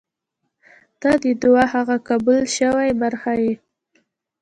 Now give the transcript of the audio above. • ته د دعا هغه قبل شوې برخه یې.